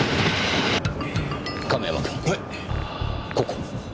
ここ！